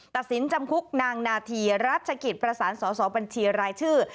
ตัดสินจำคุกนางนาธีรัชกิจประสานสอสอบัญชีรายชื่อ